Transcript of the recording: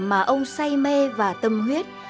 mà ông say mê và tâm huyết